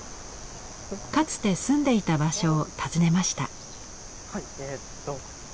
かつて住んでいた場所を訪ねました。